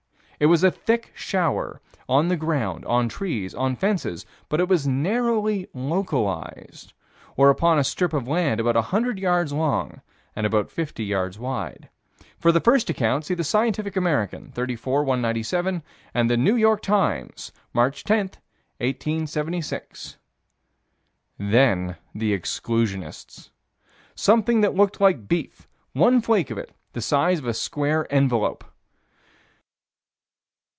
It was a thick shower, on the ground, on trees, on fences, but it was narrowly localized: or upon a strip of land about 100 yards long and about 50 yards wide. For the first account, see the Scientific American, 34 197, and the New York Times, March 10, 1876. Then the exclusionists. Something that looked like beef: one flake of it the size of a square envelope.